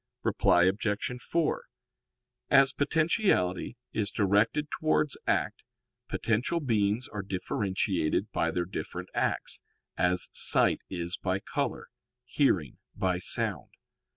Reply Obj. 4: As potentiality is directed towards act, potential beings are differentiated by their different acts, as sight is by color, hearing by sound.